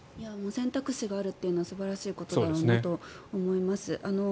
選択肢があるのは素晴らしいことだと思います。